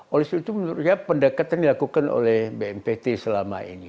oleh sebab itu menurut saya pendekatan dilakukan oleh bnpt selama ini